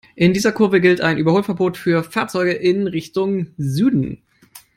In dieser Kurve gilt ein Überholverbot für Fahrzeuge in Richtung Süden.